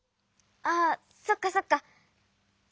ああそっかそっか。